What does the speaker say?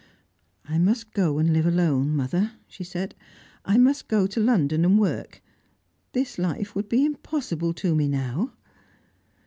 "I must go and live alone, mother," she said. "I must go to London and work. This life would be impossible to me now."